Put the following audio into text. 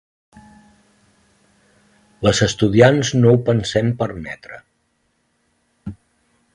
Les estudiants no ho pensem permetre.